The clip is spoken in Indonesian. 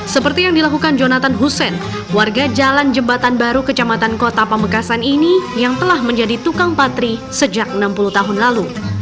seperti yang dilakukan jonathan hussein warga jalan jembatan baru kecamatan kota pamekasan ini yang telah menjadi tukang patri sejak enam puluh tahun lalu